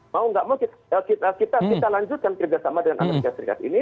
mau nggak mau kita lanjutkan kerjasama dengan amerika serikat ini